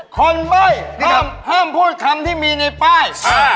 คนใบ่ห้อมพูดคำที่มีในป้าย